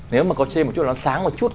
nếu mà có trên một chút nó sáng một chút